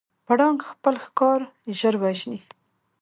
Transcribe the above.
پړانګ خپل ښکار ژر وژني.